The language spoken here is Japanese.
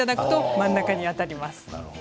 真ん中に当たります。